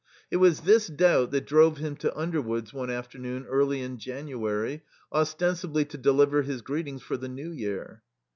It was this doubt that drove him to Underwoods one afternoon early in January, ostensibly to deliver his greetings for the New Year.